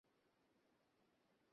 ফেরেশতারা বলেনঃ জাহান্নাম থেকে।